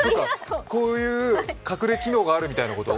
こういう隠れ機能があるみたいなこと？